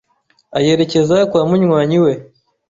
ayerekeza kwa munywanyi we